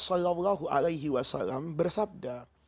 salallahu alaihi wasalam bersabda